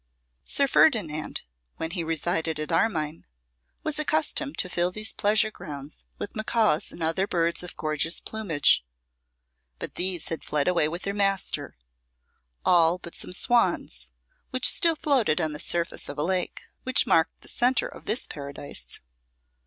Sir Ferdinand, when he resided at Armine, was accustomed to fill these pleasure grounds with macaws and other birds of gorgeous plumage; but these had fled away with their master, all but some swans which still floated on the surface of a lake, which marked the centre of this paradise.